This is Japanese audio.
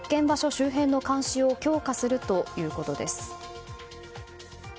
周辺の監視を強化するということです。